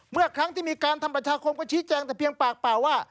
เมื่อครั้งที่มีการทำประชาคมก็ชี้แจงแต่เพียงปากเปล่าว่า